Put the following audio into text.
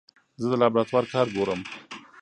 زه د لابراتوار کار ګورم.